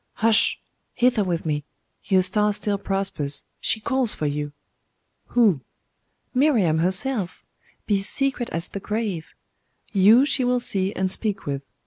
'Hush! Hither with me! Your star still prospers. She calls for you.' 'Who?' 'Miriam herself. Be secret as the grave. You she will see and speak with.